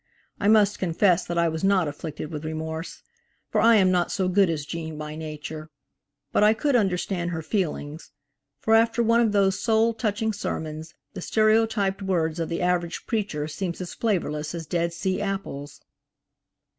I must confess that I was not afflicted with remorse, for I am not so good as Gene by nature; but I could understand her feelings, for after one of those soul touching sermons, the stereotyped words of the average preacher seem as flavorless as Dead Sea apples.